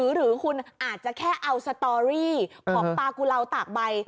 หรือคุณอาจจะแค่เอาสตอรี่ของปลากุลาวตากใบ